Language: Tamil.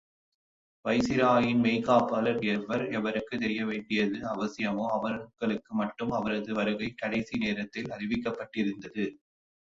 வைசிராயின் மெய்க்காப்பாளர் எவர் எவருக்குத் தெரியவேண்டியது அவசியமோ அவர்களுக்கு மட்டும் அவரது வருகை கடைசி நேரத்தில் அறிவிக்கப்பட்டிருந்தது.